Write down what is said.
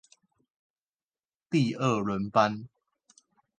第二輪班